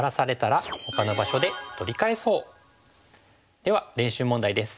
では練習問題です。